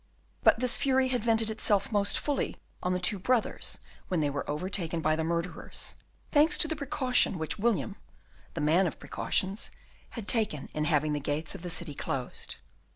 But this fury had vented itself most fully on the two brothers when they were overtaken by the murderers, thanks to the precaution which William the man of precautions had taken in having the gates of the city closed.